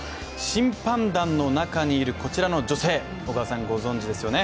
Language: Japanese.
審判団の中にいるこちらの女性、小川さん、ご存じですよね？